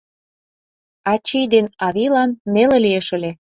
Ачий ден авийлан неле лиеш ыле.